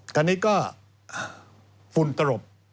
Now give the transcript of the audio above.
คราวนี้ก็ฟุนตรบ